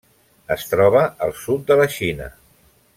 Es troba al sud de la Xina.